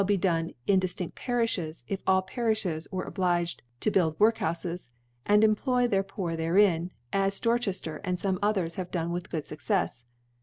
* done ( 6i )* done in diftinft Pariflies, if all Parifhes * were obliged to build Workhoufes, and * employ their Poor therein, as Dorcbefter * and fonoe others have done with good « Succefs.